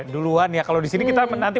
duluan ya kalau di sini kita menanti